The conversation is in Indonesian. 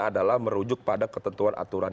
adalah merujuk pada ketentuan aturan